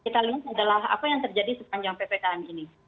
kita lebih melihatlah apa yang terjadi sepanjang ppkm ini